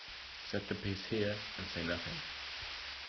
Set the piece here and say nothing.